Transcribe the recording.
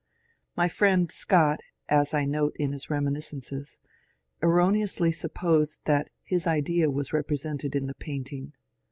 My friend Scott, as I note in his reminiscences, erroneously supposed that his idea was represented in the painting.